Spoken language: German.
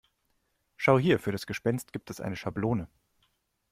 Schau hier, für das Gespenst gibt es eine Schablone.